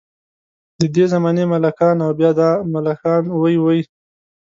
ددې زمانې ملکان او بیا دا ملکان وۍ وۍ.